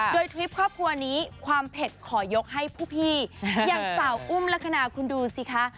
โดยทริปครอบครัวนี้ความเผ็ดขอยกให้ผู้พี่อย่างสาวอุ้มลักษณะคุณดูสิคะ